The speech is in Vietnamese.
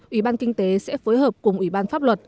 ủy ban kinh tế sẽ phối hợp cùng ủy ban pháp luật